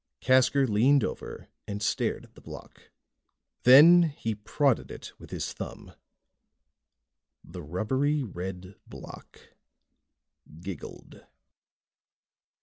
Casker leaned over and stared at the block. Then he prodded it with his thumb. The rubbery red block giggled.